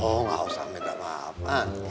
oh gak usah minta maaf pak